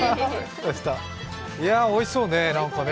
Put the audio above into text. おいしそうね。